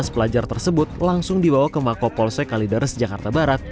sembilan belas pelajar tersebut langsung dibawa ke mako polse kalidares jakarta barat